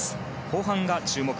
後半が注目。